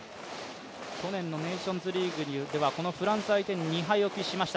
去年のネーションズリーグではこのフランス相手に２敗を喫しました。